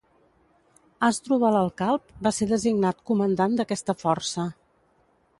Àsdrubal el Calb va ser designat comandant d'aquesta força.